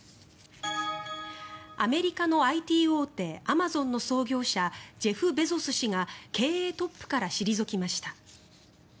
アメリカのＩＴ大手アマゾンの創業者、ジェフ・ベゾス氏が経営トップから退きました。